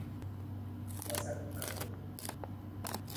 މަސައްކަތު